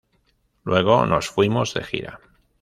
Luego nos fuimos de gira.